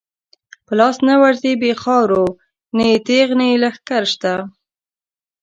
په لاس نه ورځی بی خاورو، نه یی تیغ نه یی لښکر شته